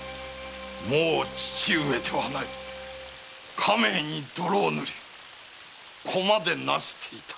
もう父上ではない家名に泥を塗り子までなしていたのか。